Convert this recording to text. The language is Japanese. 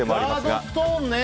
ガードストーンね！